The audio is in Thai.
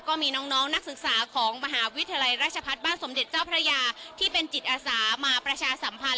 ก็มีน้องนักศึกษาของมหาวิทยาลัยราชพัฒน์บ้านสมเด็จเจ้าพระยาที่เป็นจิตอาสามาประชาสัมพันธ